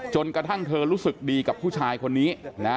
จนกระทั่งเธอรู้สึกดีกับผู้ชายคนนี้นะ